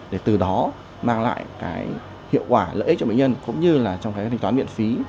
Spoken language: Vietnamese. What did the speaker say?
để từ đó mang lại cái hiệu quả lợi ích cho bệnh nhân cũng như là trong cái thanh toán viện phí